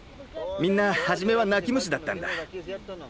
みんなはじめは泣き虫だったんだ。